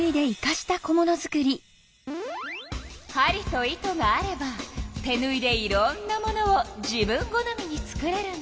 針と糸があれば手ぬいでいろんなものを自分好みに作れるの。